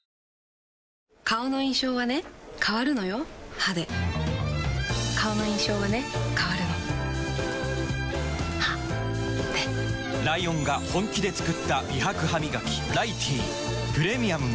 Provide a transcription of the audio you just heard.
歯で顔の印象はね変わるの歯でライオンが本気で作った美白ハミガキ「ライティー」プレミアムも